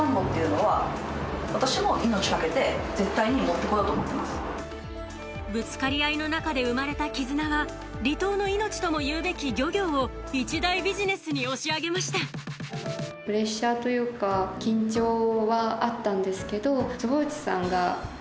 全ては島のぶつかり合いの中で生まれた絆は離島の命ともいうべき漁業を一大ビジネスに押し上げましたプレッシャーというか緊張はあったんですけど。